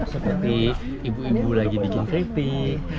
seperti ibu ibu lagi bikin keripik